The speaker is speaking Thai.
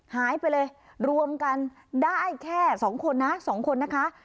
หายไปเลยรวมกันได้แค่๒คนนะ๒คนนะคะ